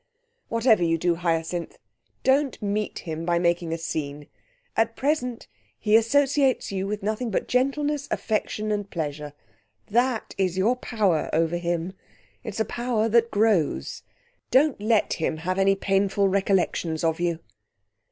"What ever you do, Hyacinth, don't meet him by making a scene. At present he associates you with nothing but gentleness, affection, and pleasure. That is your power over him. It's a power that grows. Don't let him have any painful recollections of you."